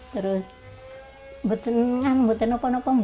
terus saya tidak bisa berhenti